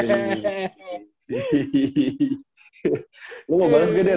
lu mau banges gak der